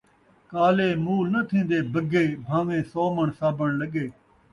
کالے مول ناں تھین٘دے بگے ، بھان٘ویں سو مݨ صابݨ لڳے